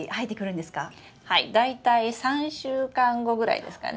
大体３週間後ぐらいですかね。